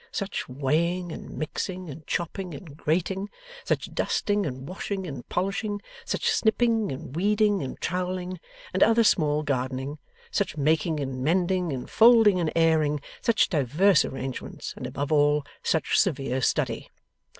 Such weighing and mixing and chopping and grating, such dusting and washing and polishing, such snipping and weeding and trowelling and other small gardening, such making and mending and folding and airing, such diverse arrangements, and above all such severe study!